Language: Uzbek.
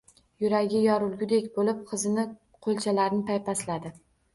Yuragi yorilgudek bo`lib qizining qo`lchalarini paypasladi